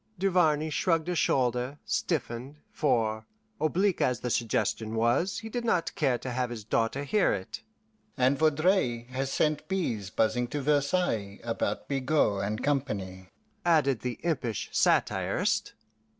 Duvarney shrugged a shoulder, stiffened; for, oblique as the suggestion was, he did not care to have his daughter hear it. "And Vaudreuil has sent bees buzzing to Versailles about Bigot and Company," added the impish satirist.